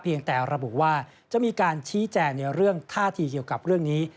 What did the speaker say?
ยังแต่ระบุว่าจะมีการชี้แจงในเรื่องท่าทีเกี่ยวกับเรื่องนี้